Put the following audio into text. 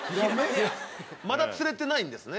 まだ釣れてないんですね。